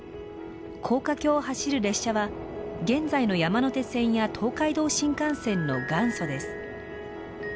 高架橋を走る列車は現在の山手線や東海道新幹線の元祖です。